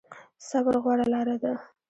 صبر غوره لاره ده